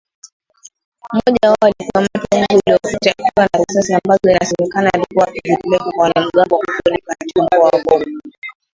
Mmoja wao alikamatwa mwezi uliopita akiwa na risasi ambazo inasemekana alikuwa akizipeleka kwa wanamgambo wa CODECO katika mkoa wa Kobu